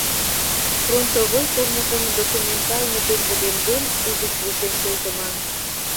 Фронтовой корныжым документально пеҥгыдемден, угыч возен колтыман.